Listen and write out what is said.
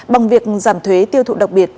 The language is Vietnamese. bằng việc giảm thuế tiêu thụ đặc biệt